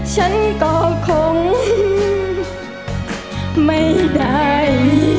ฉันก็คงไม่ได้